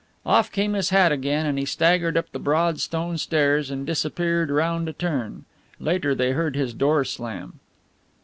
Off came his hat again and he staggered up the broad stone stairs and disappeared round a turn. Later they heard his door slam.